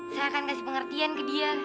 saya akan kasih pengertian ke dia